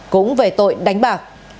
cũng về tội đánh bạc